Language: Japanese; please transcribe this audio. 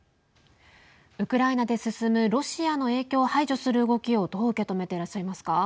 ウクライナで進むロシアの影響を排除する動きをどう受け止めていらっしゃいますか。